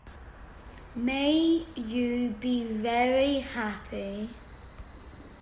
May you be very happy!